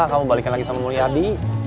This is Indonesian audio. kamu balikkan lagi sama mulyadi